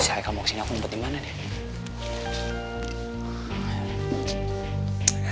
si haikal mau kesini aku ngumpet dimana deh